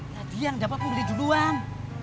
ya dia yang dapat muli duluan